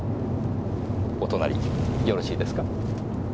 お隣りよろしいですか？